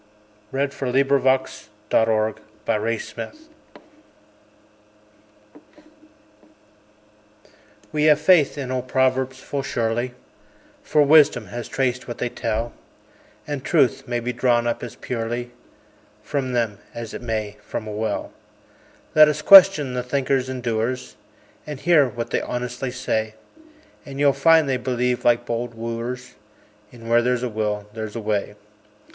W X . Y Z Where There's a Will There's a Way WE have faith in old proverbs full surely, For Wisdom has traced what they tell, And Truth may be drawn up as purely From them, as it may from "a well." Let us question the thinkers and doers, And hear what they honestly say; And you'll find they believe, like bold wooers, In "Where there's a will there's a way."